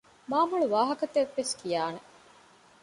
މާމޮޅު ވާހަކަތައްވެސް ކިޔާނެ